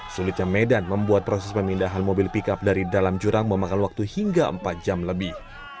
sulitnya medan membuat proses pemindahan mobil pickup dari dalam jurang memakan waktu hingga empat jam lebih